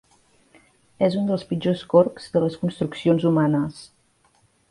És un dels pitjors corcs de les construccions humanes.